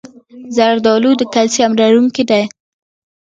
زردالو د کلسیم لرونکی ده.